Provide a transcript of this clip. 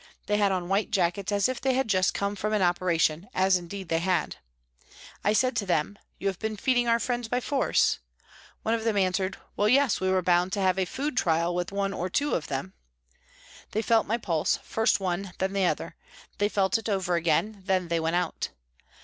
They had on white jackets, as if they had just come from an operation, as indeed they had. I said to them, " You have been feeding our friends by force ?" One of them answered, " Well, yes, we Q2 228 PRISONS AND PRISONERS were bound to have a food trial with one or two of them." They felt my pulse, first one, then the other ; they felt it over again, then they went out.